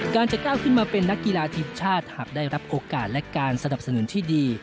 จะก้าวขึ้นมาเป็นนักกีฬาทีมชาติหากได้รับโอกาสและการสนับสนุนที่ดี